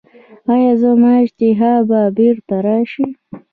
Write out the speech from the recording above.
ایا زما اشتها به بیرته راشي؟